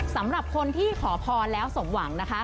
สำหรับคนที่ขอพรแล้วสมหวังนะคะ